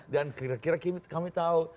dan kira kira kami tahu